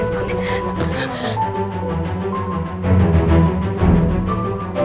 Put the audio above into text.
aku sudah terpaksa